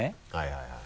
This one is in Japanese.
はいはい。